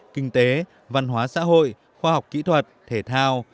kinh tế văn hóa xã hội khoa học kỹ thuật thể thao